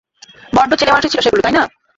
বড্ড ছেলেমানুষি ছিল সেগুলো, তাই না?